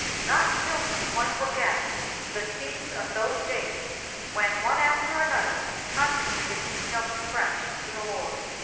Not soon could one forget the scenes of those days when one after another consecrated himself afresh to the Lord.